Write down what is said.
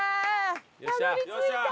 たどり着いた。